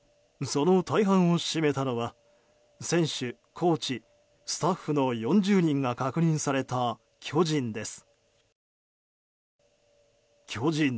その大半を占めたのは選手、コーチ、スタッフの４０人が確認された、巨人です。